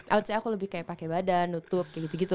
i would say aku lebih kayak pake badan nutup kayak gitu gitu